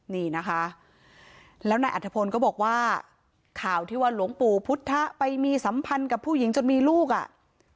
นี่นะคะแล้วนายอัฐพลก็บอกว่าข่าวที่ว่าหลวงปู่พุทธไปมีสัมพันธ์กับผู้หญิงจนมีลูกอ่ะ